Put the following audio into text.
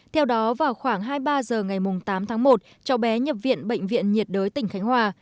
theo đó vào khoảng hai mươi ba h ngày tám tháng một cháu bé nhập viện bệnh viện nhiệt đới tỉnh khánh hòa